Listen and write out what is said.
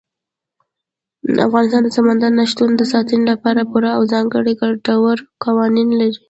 افغانستان د سمندر نه شتون د ساتنې لپاره پوره او ځانګړي ګټور قوانین لري.